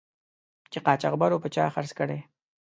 چې قاچاقبرو په چا خرڅ کړی.